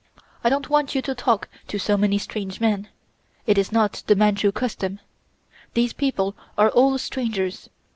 I don't want you to talk to so many strange men. It is not the Manchu custom. These people are all strangers.